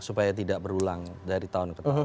supaya tidak berulang dari tahun ke tahun